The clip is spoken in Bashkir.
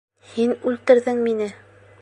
Һин үлтерҙең мине!